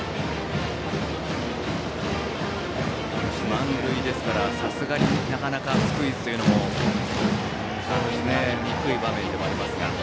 満塁ですからさすがになかなかスクイズというのも考えにくい場面ではありますが。